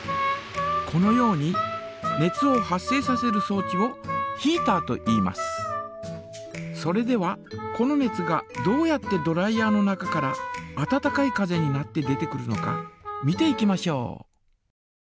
このように熱を発生させるそう置をそれではこの熱がどうやってドライヤ−の中から温かい風になって出てくるのか見ていきましょう。